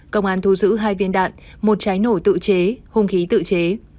công an thu giữ hai viên đạn một trái nổ tự chế hung khí tự chế